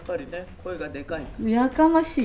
声がでかいか。やかましい。